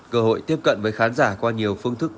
cơ hội tiếp cận với khán giả qua nhiều phương thức